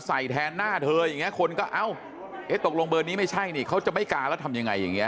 ใส่แทนหน้าเธออย่างนี้คนก็เอ้าเอ๊ะตกลงเบอร์นี้ไม่ใช่นี่เขาจะไม่กาแล้วทำยังไงอย่างนี้